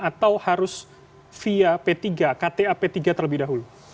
atau harus via p tiga kta p tiga terlebih dahulu